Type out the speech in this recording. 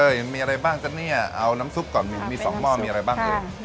อันนี้ประมาณไหนบ้างจานี้เอาน้ำซุปออก่อนมี๒หม้อมีอะไรบ้าง